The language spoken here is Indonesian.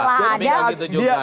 tapi enggak gitu juga ya